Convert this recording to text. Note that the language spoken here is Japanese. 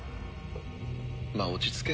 「まあ落ち着け」